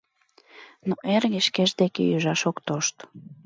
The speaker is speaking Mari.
Но эрге шкеж деке ӱжаш ок тошт.